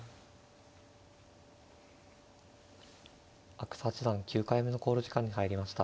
阿久津八段９回目の考慮時間に入りました。